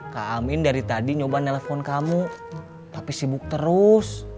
kak amin dari tadi nyoba nelfon kamu tapi sibuk terus